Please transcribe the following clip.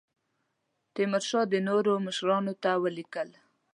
تیمورشاه نورو مشرانو ته ولیکل.